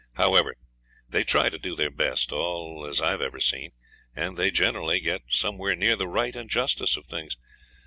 However, they try to do their best, all as I've ever seen, and they generally get somewhere near the right and justice of things.